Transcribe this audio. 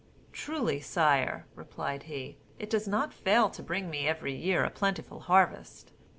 "Truly, sire," replied he, "it does not fail to bring me every year a plentiful harvest."